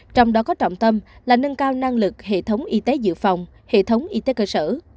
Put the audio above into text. trong đó có trọng tâm là nâng cao năng lực hệ thống y tế dự phòng hệ thống y tế cơ sở